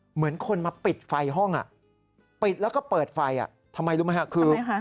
เหมือนคนมาปิดไฟห้องปิดแล้วก็เปิดไฟทำไมรู้ไหมครับคือ